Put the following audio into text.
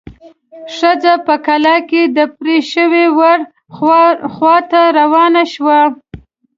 ښځه په کلا کې د پرې شوي وره خواته روانه شوه.